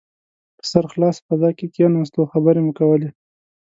په سرخلاصه فضا کې کښېناستو او خبرې مو کولې.